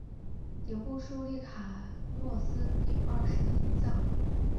顶部矗立卡洛斯二世的铜像。